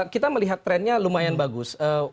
kita melihat trennya lumayan bagus